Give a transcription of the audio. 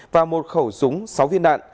và một khẩu súng sáu viên đạn